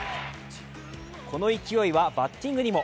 この勢いはバッティングにも。